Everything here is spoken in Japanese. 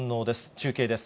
中継です。